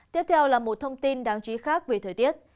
tiếp theo là một thông tin đáng chí khác về thời tiết